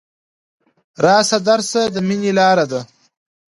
راشه درشه د ميني لاره ده